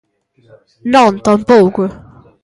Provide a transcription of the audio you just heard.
Non, tampouco.